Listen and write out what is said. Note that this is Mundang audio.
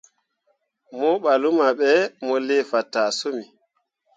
Mo ɓah luma ɓe, mu lii fataa summi.